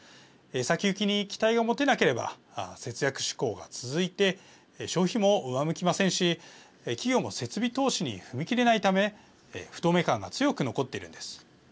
先行きに期待が持てなければ節約志向が続いて消費も上向きませんし企業も設備投資に踏み切れないため不透明感が強く残っているんです。